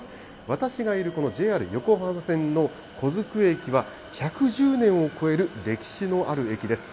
私がいるこのＪＲ横浜線の小机駅は１１０年を超える歴史のある駅です。